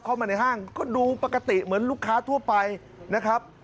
เข้ามาในห้างก็ดูปกติเหมือนลูกค้าทั่วไปนะครับ